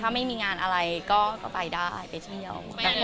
ถ้าไม่มีงานอะไรก็ไปได้ไปเที่ยว